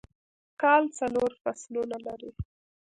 کال څلور فصلونه لري